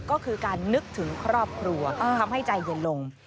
ก็คือการนึกถึงครอบครัวทำให้ใจเย็นลง